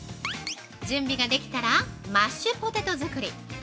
準備ができたらマッシュポテト作り。